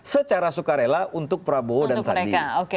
secara sukarela untuk prabowo dan sandi